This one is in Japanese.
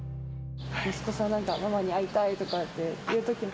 息子さん、なんかママに会いたいとかって言うときは。